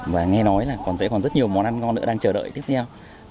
và nghe nói là còn sẽ còn rất nhiều món ăn ngon nữa đang chờ đợi tiếp theo